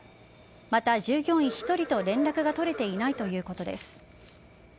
また、従業員１人と連絡が取れていないということです。